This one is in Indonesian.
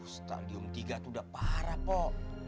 stadium tiga tuh udah parah pok